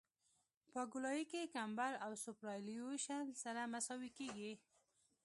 په ګولایي کې کمبر او سوپرایلیویشن سره مساوي کیږي